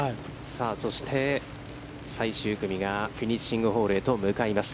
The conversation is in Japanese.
そして、最終組がフィニッシングホールへと向かいます。